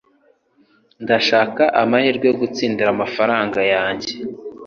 Ndashaka amahirwe yo gutsindira amafaranga yanjye